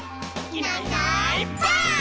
「いないいないばあっ！」